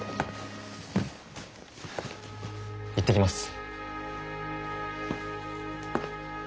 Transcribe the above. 行ってきます。